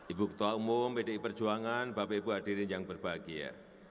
ibu ketua umum pdi perjuangan bapak ibu hadirin yang berbahagia